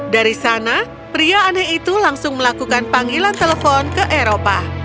dari sana pria aneh itu langsung melakukan panggilan telepon ke eropa